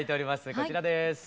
こちらです。